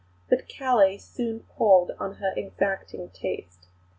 But Calais soon palled on her exacting taste.